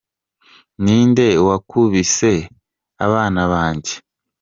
Ninde wakubise abana banjye?